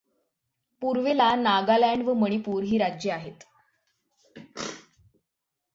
पूर्वेला नागालँड व मणिपूर ही राज्य आहेत.